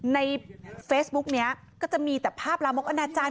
ในเฟซบุ๊กนี้ก็จะมีแต่ภาพลามกอนาจารย